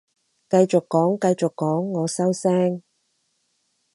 繼續講繼續講，我收聲